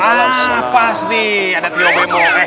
apas nih ada tio brembo